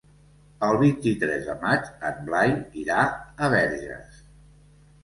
El vint-i-tres de maig en Blai irà a Verges.